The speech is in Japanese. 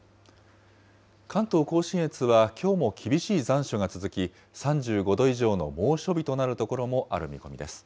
関東甲信越はきょうも厳しい残暑が続き、３５度以上の猛暑日となる所もある見込みです。